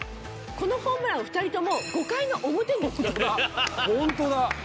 このホームラン２人とも５回の表に打ってる。